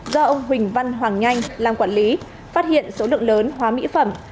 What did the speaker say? do ông huỳnh văn hoàng nhanh làm quản lý phát hiện số lượng lớn hóa mỹ phẩm